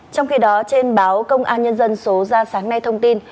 trong khi đó trên báo công an nhân dân số ra sáng nay thông tin